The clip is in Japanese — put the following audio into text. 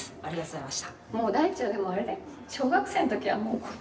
ありがとうございます。